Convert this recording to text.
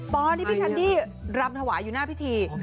ตอนที่พี่แคนดี้รำถวายอยู่หน้าพิธี